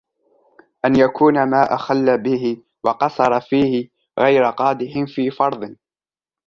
أَنْ يَكُونَ مَا أَخَلَّ بِهِ وَقَصَّرَ فِيهِ غَيْرَ قَادِحٍ فِي فَرْضٍ